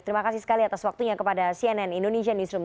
terima kasih sekali atas waktunya kepada cnn indonesia newsroom